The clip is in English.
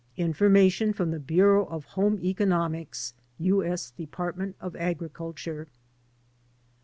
Information from the^Bureeu. of Home Economics, U. S. Department of Agriculture.